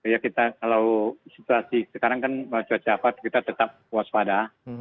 ya kita kalau situasi sekarang kan cuaca apa kita tetap waspada